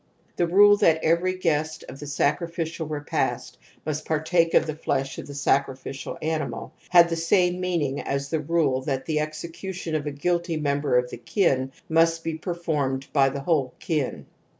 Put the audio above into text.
The rule that every guest of the sacrificial repast must partake of the flesh of the sacrificial animal, had the same meaning as the rule that the execution of a guilty member of the kin must be performed by the whole kin.